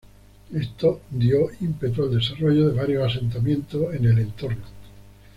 Esto dio ímpetu al desarrollo de varios asentamientos en el entorno.